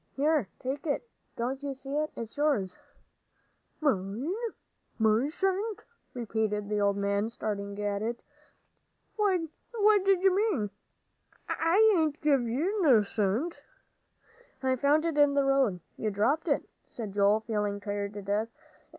"Here, take it. Don't you see it? It's yours." "Mine? My cent?" repeated the old man, staring at it. "What d'ye mean? I hain't give ye no cent." "I found it in the road. You dropped it," said Joel, feeling tired to death.